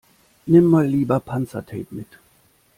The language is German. Nimm mal lieber Panzertape mit.